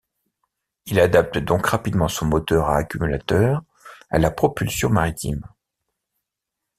Il adapte donc rapidement son moteur à accumulateurs à la propulsion maritime.